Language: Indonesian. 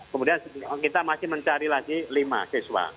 kemudian kita masih mencari lagi lima siswa